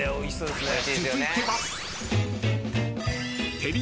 ［続いては］